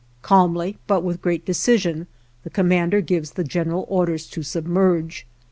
Calmly, but with great decision, the commander gives the general orders to submerge.